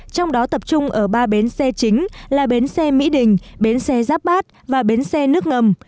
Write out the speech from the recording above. trong đó tập trung ở ba bến xe chính là bến xe mỹ đình bến xe giáp bát và bến xe nước ngầm